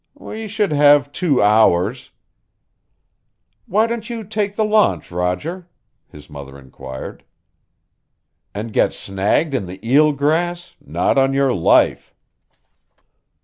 "We should have two hours." "Why don't you take the launch, Roger?" his mother inquired. "And get snagged in the eel grass not on your life!"